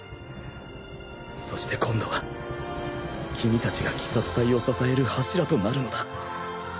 そして今度は君たちが鬼殺隊を支える柱となるのだ。